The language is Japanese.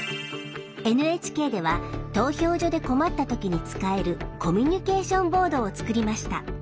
ＮＨＫでは投票所で困った時に使える「コミュニケーションボード」を作りました。